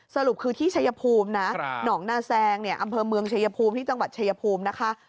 สรุปคือที่ชัยภูมินะหนองนาแซงเนี่ยอำเภอเมืองชายภูมิที่จังหวัดชายภูมินะคะ